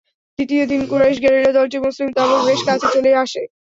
দ্বিতীয় দিন Quraysh guerrilla দলটি মুসলিম তাঁবুর বেশ কাছে চলে আসে।